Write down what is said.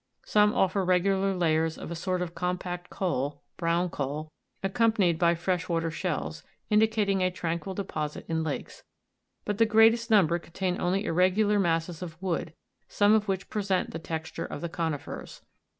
Some offer regular layers of a sort of compact coal (brown coal), accompanied by fresh water shells, indicating a tranquil deposit in lakes ; but the greatest number contain only irregular masses of wood, some of which present the texture of the con'ifers.